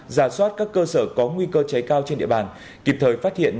giả soát các cơ sở có nguy cơ cháy cao trên địa bàn kịp thời phát hiện